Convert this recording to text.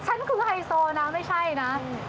ฉันคือไฮโซนะไม่ใช่นะ